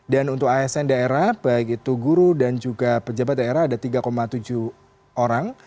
dan untuk asn daerah baik itu guru dan juga pejabat daerah ada tiga tujuh orang